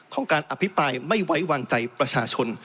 ของการอภิปรายไม่ไว้วางใจประชาชน